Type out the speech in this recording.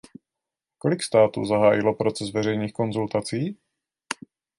Kolik států zahájilo proces veřejných konzultací?